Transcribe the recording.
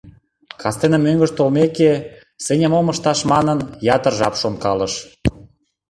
Кастене мӧҥгыжӧ толмеке, Сеня мом ышташ манын, ятыр жап шонкалыш.